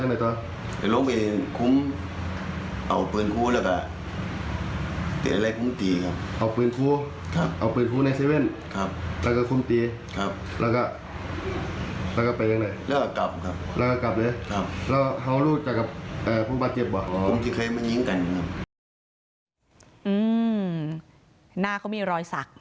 หน้าเขามีรอยสุดท้ายก่อนครับ